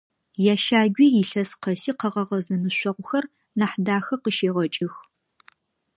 Ящагуи илъэс къэси къэгъэгъэ зэмышъогъухэр Нахьдахэ къыщегъэкӏых.